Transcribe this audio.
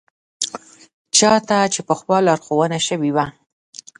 چا ته چې پخوا لارښوونه شوې وه.